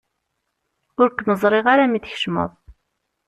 Ur kem-ẓriɣ ara mi d-tkecmeḍ.